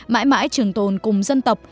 mãi mãi trưởng tồn cùng dân tộc